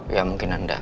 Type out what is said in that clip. ya mungkin anda